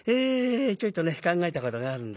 ちょいとね考えたことがあるんですよ。